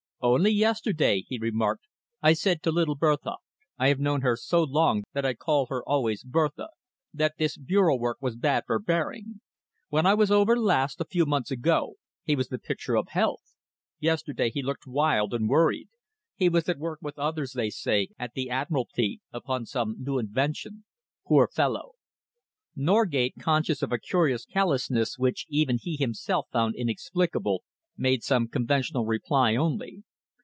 "Only yesterday," he remarked, "I said to little Bertha I have known her so long that I call her always Bertha that this bureau work was bad for Baring. When I was over last, a few months ago, he was the picture of health. Yesterday he looked wild and worried. He was at work with others, they say, at the Admiralty upon some new invention. Poor fellow!" Norgate, conscious of a curious callousness which even he himself found inexplicable, made some conventional reply only.